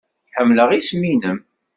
Ḥemmleɣ isem-nnem.